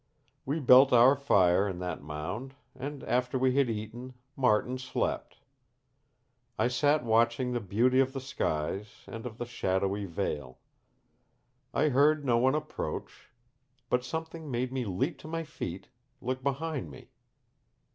"We built our fire in that mound; and after we had eaten, Martin slept. I sat watching the beauty of the skies and of the shadowy vale. I heard no one approach but something made me leap to my feet, look behind me.